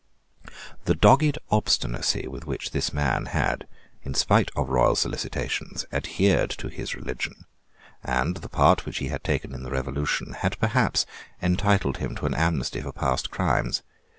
The dogged obstinacy with which this man had, in spite of royal solicitations, adhered to his religion, and the part which he had taken in the Revolution, had perhaps entitled him to an amnesty for past crimes.